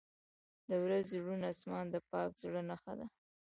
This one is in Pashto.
• د ورځې روڼ آسمان د پاک زړه نښه ده.